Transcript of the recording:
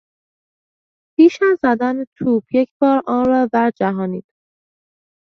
پیش از زدن توپ یکبار آن را ورجهانید.